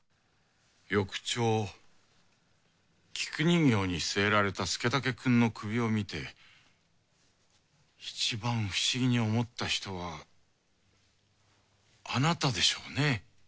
翌朝菊人形に据えられた佐武くんの首を見ていちばん不思議に思った人はあなたでしょうね？